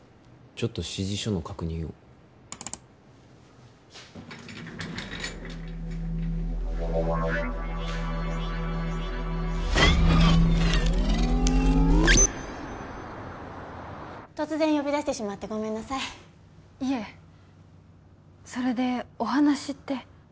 ちょっと指示書の確認を突然呼び出してしまってごめんなさいいえそれでお話って？